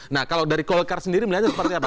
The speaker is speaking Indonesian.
nah kalau dari golkar sendiri melihatnya seperti apa